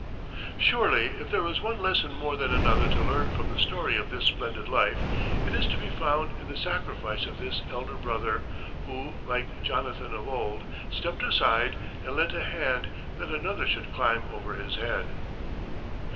Surely if there is one lesson more than another to learn from the story of this splendid life, it is to be found in the sacrifice of this elder brother, who, like Jonathan of old, stepped aside and lent a hand that another should climb over his head.